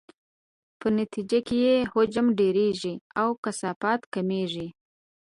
په نتیجې کې یې حجم ډیریږي او کثافت کمیږي.